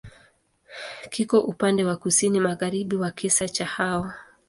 Kiko upande wa kusini-magharibi wa kisiwa cha Hao.